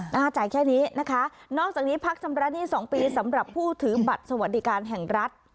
หน้าจ่ายแค่นี้นะคะนอกจากนี้พักชำระหนี้๒ปีสำหรับผู้ถือบัตรสวัสดิการแห่งรัฐ